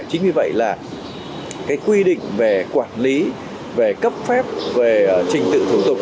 chính vì vậy là quy định về quản lý về cấp phép về trình tự thủ tục